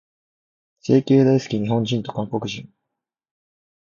整形大好き、日本人と韓国人。